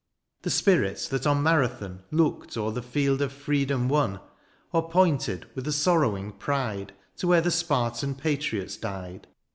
The spirit that on Marathon Looked o'er the field of freedom won. Or pointed, with a sorrowing pride. To where the Spartan patriots died.